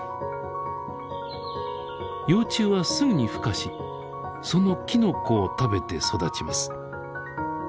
幼虫はすぐにふ化しそのきのこを食べて育ちます。